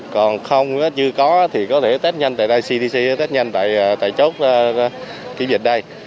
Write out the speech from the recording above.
còn không như có thì có thể test nhanh tại đây cdc test nhanh tại chốt kiểm dịch đây